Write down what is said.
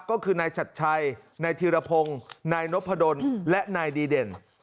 ก็คือนายชัดชัยนายธีรพงศ์นายนพดลและนายดีเด่น